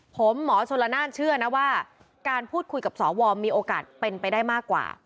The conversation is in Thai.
ผมหมอชนละนานเชื่อนะว่าการพูดคุยกับสวมีโอกาสเป็นไปได้มากกว่า